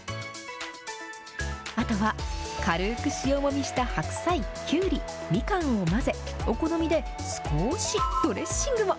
あとは軽く塩もみした白菜、きゅうり、みかんを混ぜ、お好みで少しドレッシングを。